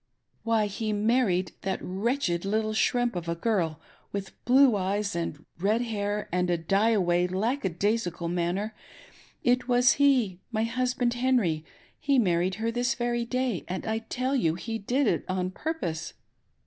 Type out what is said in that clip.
" Why, he married that wretched little shrimp of a girl, with blue eyes, and red hair, and a die away, lackadaisical manner it was he — my husband, Henry— he married her this very day, and I tell you he did it on purpose